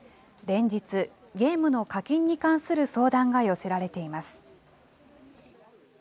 連日、ゲームの課金に関する相談が寄せられています。